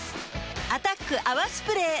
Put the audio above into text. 「アタック泡スプレー」